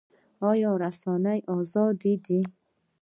آیا رسنۍ ازادې دي؟